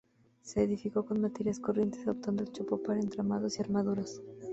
Se edificó con materiales corrientes, adoptado el chopo para entramados y armaduras.